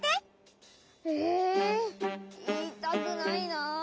えいいたくないなあ。